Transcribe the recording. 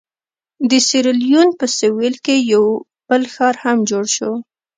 د سیریلیون په سوېل کې یو بل ښار هم جوړ شو.